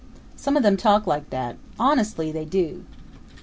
Some of them talk like that honestly they do!